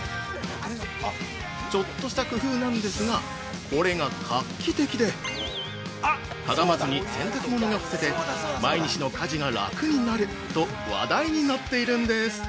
ちょっとした工夫なんですが、これが画期的で、かがまずに洗濯物が干せて、毎日の家事が楽になると話題になっているんです。